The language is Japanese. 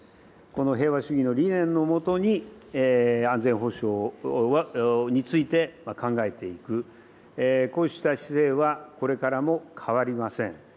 この平和主義の理念のもとに、安全保障について考えていく、こうした姿勢はこれからも変わりません。